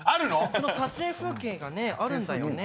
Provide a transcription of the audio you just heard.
その撮影風景があるんだよね。